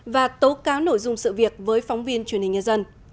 và tố cáo nội dung sự việc với phóng viên truyền hình nhân dân